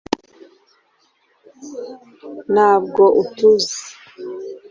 ntabwo utuzi